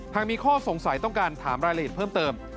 หากมีข้อสงสัยต้องการถามรายละเอียดเพิ่มเติม